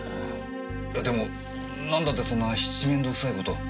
いやでも何だってそんなしち面倒くさい事を？